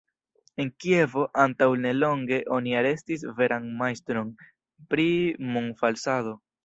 En Kievo antaŭ nelonge oni arestis veran majstron pri monfalsado.